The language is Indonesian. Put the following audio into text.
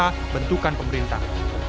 dan juga bentukan pemerintah